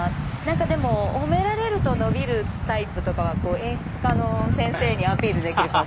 でも「ほめられるとのびるタイプ」とかは演出家の先生にアピールできるかも。